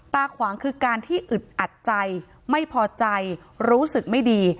ขวางคือการที่อึดอัดใจไม่พอใจรู้สึกไม่ดี